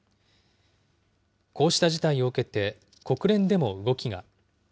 こうした事態を受けて、国連でも動きが。